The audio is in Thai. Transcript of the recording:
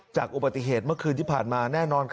จากอุบัติเหตุเมื่อคืนที่ผ่านมาแน่นอน